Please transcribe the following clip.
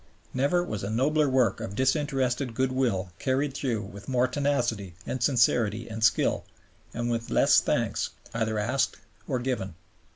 Never was a nobler work of disinterested goodwill carried through with more tenacity and sincerity and skill, and with less thanks either asked or given.